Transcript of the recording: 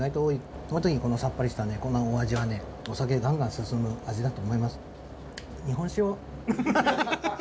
そのときにさっぱりしたこのお味はねお酒ガンガン進む味だと思います。